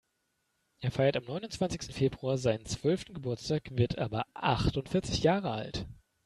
Er feiert am neunundzwanzigsten Februar seinen zwölften Geburtstag, wird aber achtundvierzig Jahre alt.